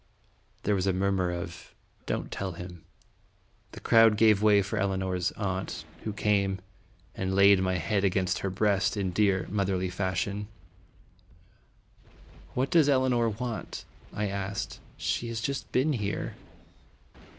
There was a murmur of "Don't tell him." The crowd gave way for Elinor's aunt, who JBramatic in iftfj ^testing. 131 came and laid my head against her breast in dear motherly fashion. " What does Elinor want?" I asked. "She has just been here."